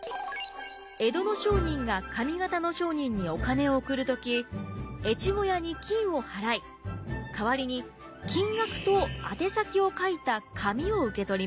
江戸の商人が上方の商人にお金を送る時越後屋に金を払い代わりに金額と宛先を書いた紙を受け取ります。